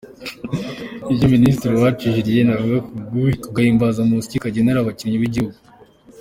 Icyo Minisitiri Uwacu Julienne avuga ku Gahimbazamusyi kagenerwa abakinnyi b’igihugu.